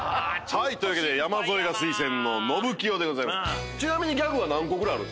というわけで山添が推薦ののぶきよでございます。